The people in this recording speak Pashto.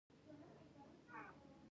شېخ ملي ته ټولو پښتنو په درنه سترګه کتل.